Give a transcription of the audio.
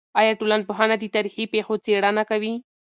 آیا ټولنپوهنه د تاریخي پېښو څېړنه کوي؟